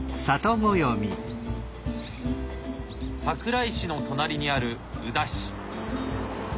桜井市の隣にある宇陀市。